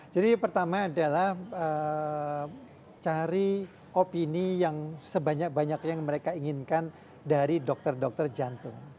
jadi pertama adalah cari opini yang sebanyak banyak yang mereka inginkan dari dokter dokter jantung